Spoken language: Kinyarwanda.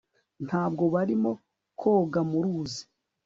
ntabwo barimo koga mu ruzi